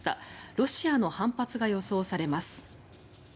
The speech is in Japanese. ロシアの反発が予想されます。